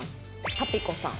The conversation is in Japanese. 「パピコさん」